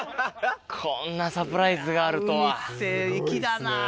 こんなサプライズがあるとは。